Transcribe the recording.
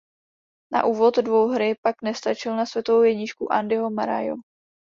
Na úvod dvouhry pak nestačil na světovou jedničku Andyho Murrayho.